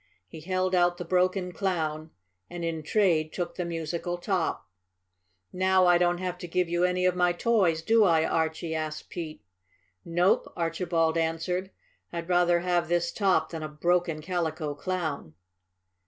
He held out the broken Clown and in trade took the musical top. "Now I don't have to give you any of my toys, do I, Archie?" asked Pete. "Nope," Archibald answered. "I'd rather have this top than a broken Calico Clown."